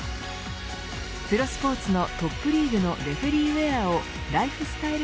プロスポーツのトップリーグのレフェリーウエアをライフスタイル